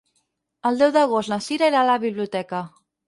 El deu d'agost na Sira irà a la biblioteca.